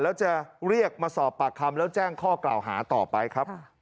แล้วจะเรียกมาสอบปากคำแล้วแจ้งข้อกล่าวหาต่อไปครับ